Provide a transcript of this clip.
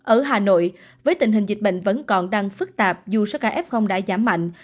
ở hà nội với tình hình dịch bệnh vẫn còn đang phức tạp dù số ca f đã giảm mạnh